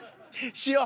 しよう。